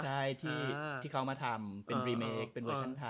ใช่ที่เขามาทำเป็นพรีเมคเป็นเวอร์ชั่นไทย